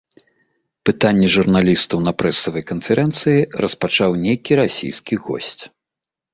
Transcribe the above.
Пытанні журналістаў на прэсавай канферэнцыі распачаў нейкі расійскі госць.